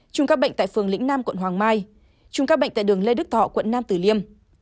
trùm ca bệnh tại phường lĩnh nam quận hoàng mai trùm ca bệnh tại đường lê đức thọ quận nam tử liêm